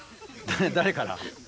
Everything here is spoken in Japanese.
誰から？